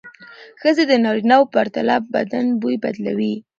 ښځې د نارینه وو پرتله بدن بوی بدلوي.